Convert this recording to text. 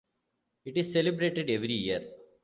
It is celebrated every year.